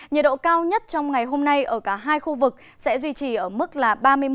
nhiệt độ cao nhất trong ngày hôm nay ở cả hai khu vực sẽ duy trì ở mức là ba mươi một